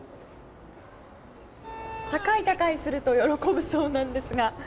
高い高いすると喜ぶそうなんですが。